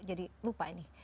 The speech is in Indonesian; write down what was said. jadi lupa ini